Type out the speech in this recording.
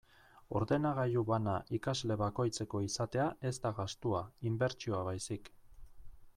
Ordenagailu bana ikasle bakoitzeko izatea ez da gastua, inbertsioa baizik.